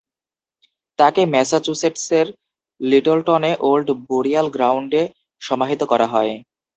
তাঁকে ম্যাসাচুসেটসের লিটলটনে old burial গ্রাউন্ডে সমাহিত করা হয়।